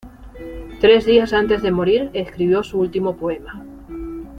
Tres días antes de morir escribió su último poema.